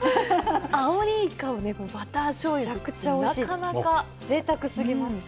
アオリイカをバター醤油って、なかなかぜいたくすぎます。